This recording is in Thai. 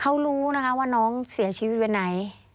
เขารู้นะคะว่าน้องเสียชีวิตวันไหน